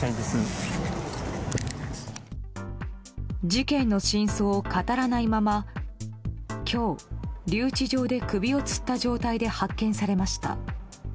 事件の真相を語らないまま今日、留置場で首をつった状態で発見されました。